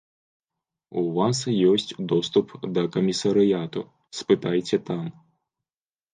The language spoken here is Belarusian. У вас ёсць доступ да камісарыяту, спытайце там.